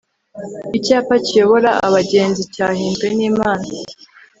Icyapa kiyobora abagenzi cyahinzwe nImana